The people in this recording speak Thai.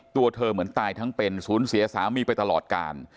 ตัวเธอเหมือนตายทั้งเป็นศูนย์เสียสามีไปตลอดกาล